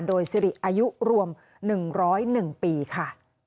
โดยสิริอายุรวม๑๐๑ปีค่ะ